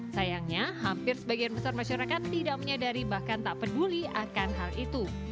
sayangnya hampir sebagian besar masyarakat tidak menyadari bahkan tak peduli akan hal itu